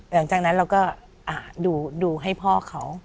หลังจากนั้นเราก็ดูให้พ่อเขา